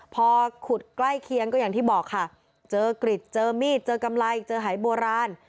พอขุดใกล้เคียงก็อย่างที่บอกค่ะเจอกริจเจอมีดเจอกำไรเจอหายโบราณ